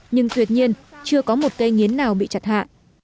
nhưng tuyệt nhiên chưa có một cây nghiến nào bị chặt hạ